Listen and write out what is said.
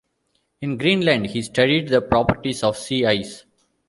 In Greenland, he studied the properties of sea ice.